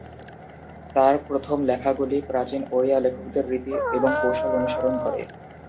তার প্রথম লেখাগুলি প্রাচীন ওড়িয়া লেখকদের রীতি এবং কৌশল অনুসরণ করে।